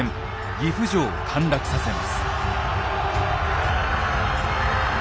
岐阜城を陥落させます。